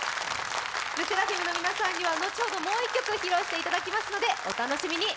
ＬＥＳＳＥＲＡＦＩＭの皆さんには後ほどもう一曲、披露していただきますのでお楽しみに！